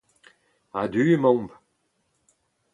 A-du emaomp.